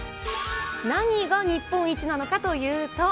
何が日本一なのかというと。